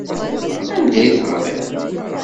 Anda i teɣriḍ?